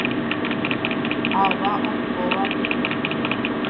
Ava oikóva pype.